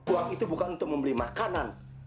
uang itu bukan untuk membeli makanan